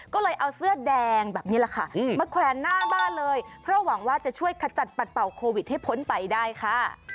ก็เลยเอาเสื้อแดงแบบนี้แหละค่ะมาแขวนหน้าบ้านเลยเพราะหวังว่าจะช่วยขจัดปัดเป่าโควิดให้พ้นไปได้ค่ะ